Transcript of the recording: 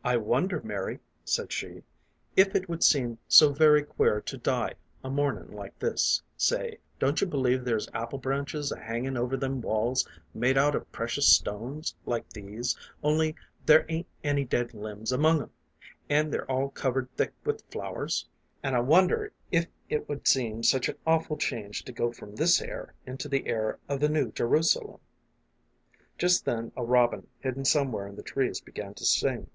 " I wonder, Mary," said she, " if it would seem so very queer to die a mornin' like this, say. Don't you believe there's apple branches a hangin' over them walls made out of precious stones, like these, only there ain't any dead limbs among 'em, an' they're all covered thick with flowers? An' I wonder if it would seem such an awful change to go from this air into the air of the New Jerusalem." Just then a robin hidden somewhere in the trees began to sing.